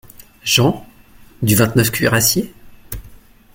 Jean. — Du vingt-neufe Cuirassiers ?